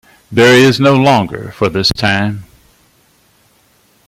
There is no longer for this time.